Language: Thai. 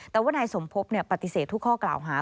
แต่ว่านายสมภพปฏิเสธทุกข้อกล่าวหา